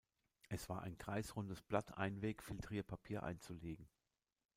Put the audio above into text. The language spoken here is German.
Es war ein kreisrundes Blatt Einweg-Filtrierpapier einzulegen.